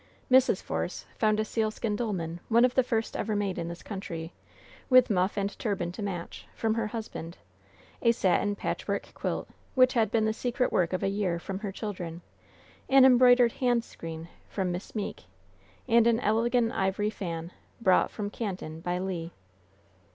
Mrs. Force found a sealskin dolman one of the first ever made in this country with muff and turban to match, from her husband; a satin patchwork quilt, which had been the secret work of a year, from her children; an embroidered hand screen, from Miss Meeke, and an elegant ivory fan, brought from Canton, by Le.